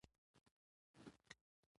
خلک د مېلو پر مهال یو بل ته خوږې خبري کوي.